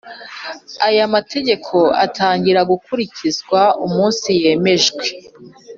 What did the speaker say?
Aya mategeko atangira gukurikizwa umunsi yemejwe